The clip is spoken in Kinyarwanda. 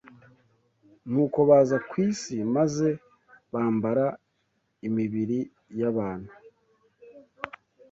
nuko baza ku isi maze bambara imibiri y’abantu